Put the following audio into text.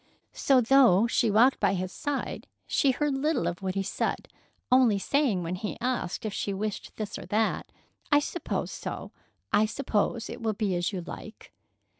So, though she walked by his side, she heard little of what he said, only saying when he asked if she wished this or that: "I suppose so. I suppose it will be as you like."